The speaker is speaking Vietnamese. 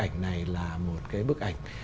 các bức ảnh này là một bức ảnh